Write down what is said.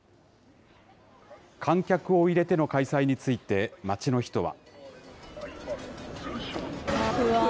観客を入れての開催について、街の人は。